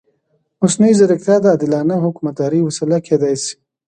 مصنوعي ځیرکتیا د عادلانه حکومتدارۍ وسیله کېدای شي.